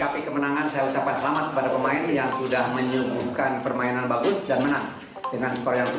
persib menang dua